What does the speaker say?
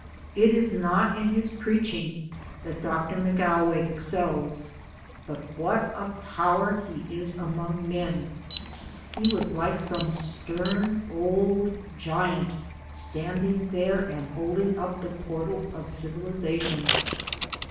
It is not in his preaching that Doctor McAlway excels, but what a power he is among men! He was like some stern old giant, standing there and holding up the portals of civilization.